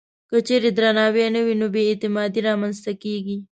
که چېرې درناوی نه وي، نو بې اعتمادي رامنځته کېږي.